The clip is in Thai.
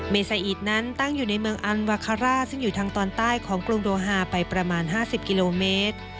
เซอีทนั้นตั้งอยู่ในเมืองอันวาคาร่าซึ่งอยู่ทางตอนใต้ของกรุงโดฮาไปประมาณ๕๐กิโลเมตร